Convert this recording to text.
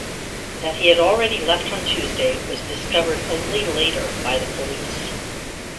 That he had already left on Tuesday was discovered only later by the police.